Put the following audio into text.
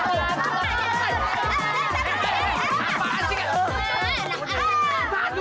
itu yang pantas